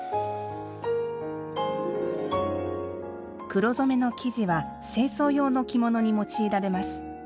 黒染めの生地は正装用の着物に用いられます。